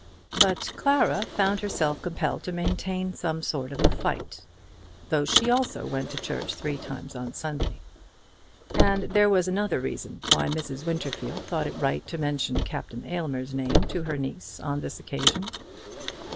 But Clara found herself compelled to maintain some sort of a fight, though she also went to church three times on Sunday. And there was another reason why Mrs. Winterfield thought it right to mention Captain Aylmer's name to her niece on this occasion.